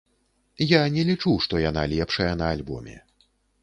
Я не лічу, што яна лепшая на альбоме.